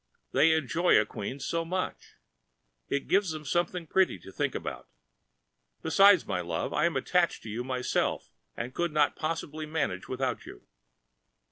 They enjoy a Queen so much. It gives them something pretty to think about. Besides, my love, I am attached to you, myself, and could not possibly manage without you.